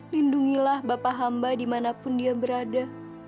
lindungilah bapak hamba dimanapun dia berada